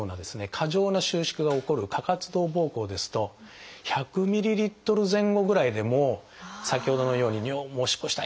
過剰な収縮が起こる過活動ぼうこうですと１００ｍＬ前後ぐらいでもう先ほどのようにもうおしっこしたい！